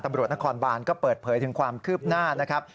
ตำรวจนครบานก็เปิดเผยถึงความคืบหน้านะครับ